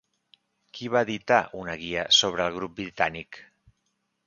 Qui va editar una guia sobre el grup britànic?